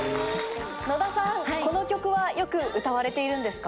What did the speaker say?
のださん、この曲はよく歌われているんですか。